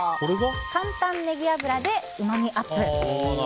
簡単ネギ油でうまみアップ！